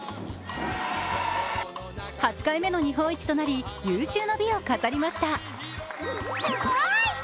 ８回目の日本一となり、有終の美を飾りました。